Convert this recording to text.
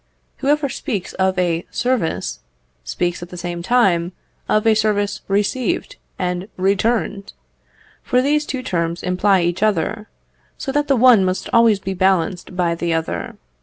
Whoever speaks of a service, speaks at the same time of a service received and returned, for these two terms imply each other, so that the one must always be balanced by the other.